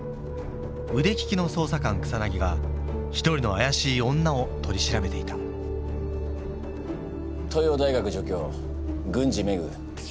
腕利きの捜査官草が一人のあやしい女を取り調べていた東洋大学助教郡司芽久